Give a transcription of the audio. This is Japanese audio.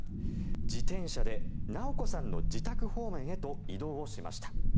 自転車で直子さんの自宅方面へと移動しました。